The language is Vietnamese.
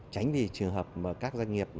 tránh vì trường hợp các doanh nghiệp